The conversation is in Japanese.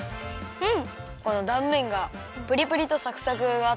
うん！